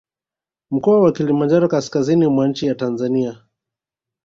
Mkoa wa Kilimanjaro kaskazini mwa nchi ya Tanzania